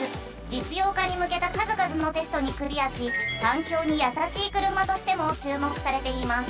実用化にむけたかずかずのテストにクリアし環境にやさしい車としても注目されています。